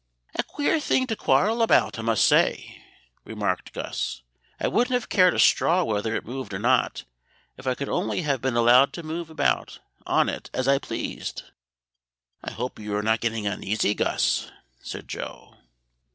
"A queer thing to quarrel about, I must say," remarked Gus. "I wouldn't have cared a straw whether it moved or not, if I could only have been allowed to move about on it as I pleased." "I hope you are not getting uneasy, Gus," said Joe.